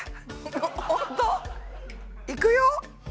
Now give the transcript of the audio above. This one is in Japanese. いくよ。